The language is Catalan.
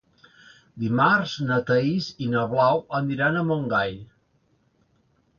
Dimarts na Thaís i na Blau aniran a Montgai.